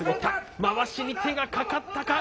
まわしに手がかかったか。